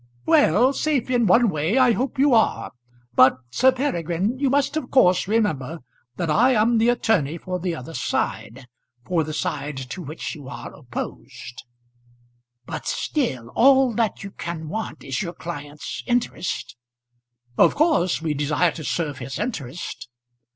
"Well; safe in one way I hope you are. But, Sir Peregrine, you must of course remember that I am the attorney for the other side, for the side to which you are opposed." "But still; all that you can want is your client's interest." "Of course we desire to serve his interest."